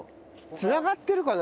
繋がってるかな？